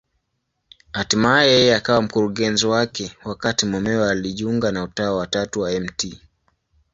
Hatimaye yeye akawa mkurugenzi wake, wakati mumewe alijiunga na Utawa wa Tatu wa Mt.